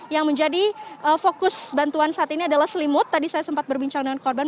yang menjadi fokus bantuan saat ini adalah selimut tadi saya sempat berbincang dengan korban